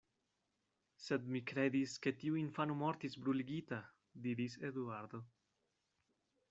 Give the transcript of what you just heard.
Sed mi kredis, ke tiu infano mortis bruligita, diris Eduardo.